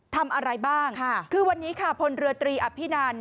ทำอะไรบ้างค่ะคือวันนี้ค่ะพลเรือตรีอภินัน